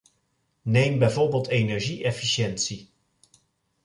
Neem bijvoorbeeld energie-efficiëntie.